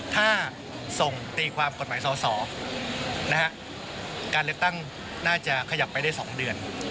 ถ้าส่งตีความกฎหมายสอสอการเลือกตั้งน่าจะขยับไปได้๒เดือน